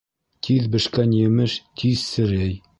Тиҙ бешкән емеш тиҙ серей.